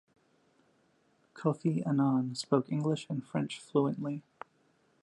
Kofi Annan spoke English and French fluently.